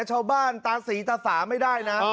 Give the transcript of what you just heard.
ชาวบ้านตาสีตาสาไม่ได้นะ